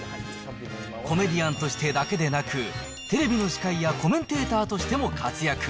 コメディアンとしてだけでなく、テレビの司会やコメンテーターとしても活躍。